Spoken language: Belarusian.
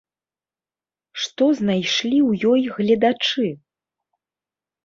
Што знайшлі ў ёй гледачы?